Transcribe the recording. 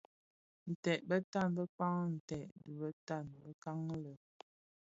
Nted bè tan bëkpan ntèd dhi tan bekan le.